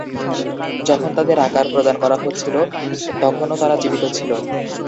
যখন তাদের আকার প্রদান করা হচ্ছিল, তখনো তারা জীবিত ছিল।